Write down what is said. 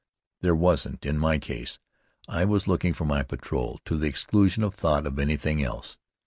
There wasn't in my case. I was looking for my patrol to the exclusion of thought of anything else.